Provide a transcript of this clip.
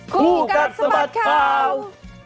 คู่กันสมัติข่าว